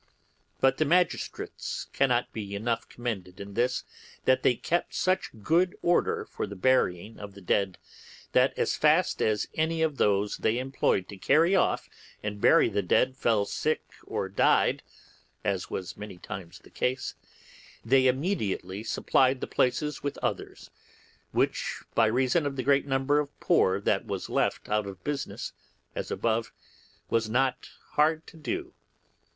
But the magistrates cannot be enough commended in this, that they kept such good order for the burying of the dead, that as fast as any of these they employed to carry off and bury the dead fell sick or died, as was many times the case, they immediately supplied the places with others, which, by reason of the great number of poor that was left out of business, as above, was not hard to do.